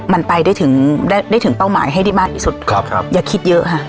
มันไปได้ถึงได้ถึงเป้าหมายให้ได้มากที่สุดครับอย่าคิดเยอะค่ะ